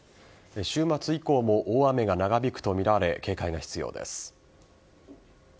週末以降も大雨が長引くとみられ警戒が必要です。